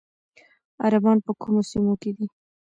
عربان په کومو سیمو کې دي؟